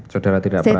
saudara tidak perhatikan